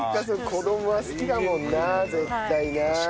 子供は好きだもんな絶対な。